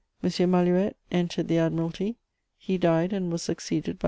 Malouet entered the Admiralty: he died, and was succeeded by M.